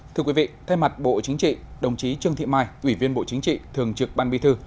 thưa quý vị thay mặt bộ chính trị đồng chí trương thị mai ủy viên bộ chính trị thường trực ban bi thư